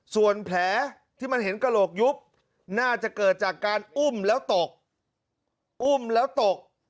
ส่วนแผลที่มันเห็นกระโหลกยุบน่าจะเกิดจากการอุ้มแล้วตกอุ้มแล้วตก